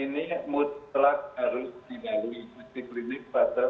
ini mutlak harus dibalik kursi klinik pada satu dua tiga